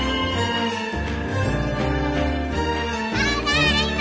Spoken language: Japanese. ただいま！